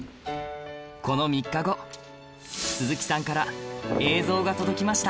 この３日後鈴木さんから映像が届きました